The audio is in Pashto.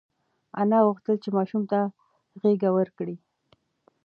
انا غوښتل چې ماشوم ته غېږه ورکړي.